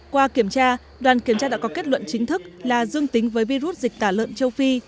qua kiểm tra đoàn kiểm tra đã có kết luận chính thức là dương tính với virus dịch tả lợn châu phi